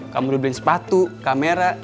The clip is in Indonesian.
kamu udah beli sepatu kamera